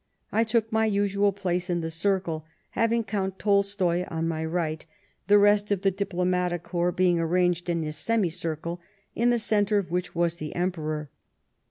I took my usual place in the circle, having Count Tolstoy on my right, the rest of the diplomatic corps being arranged in a semicircle, in the centre of which was the Emperor.